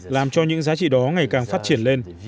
làm cho những giá trị đó ngày càng phát triển lên